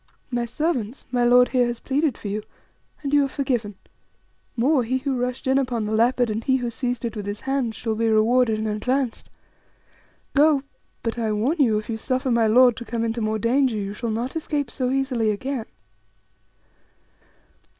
My servants, my lord here has pleaded for you, and you are forgiven; more, he who rushed in upon the leopard and he who seized it with his hands shall be rewarded and advanced. Go; but I warn you if you suffer my lord to come into more danger, you shall not escape so easily again."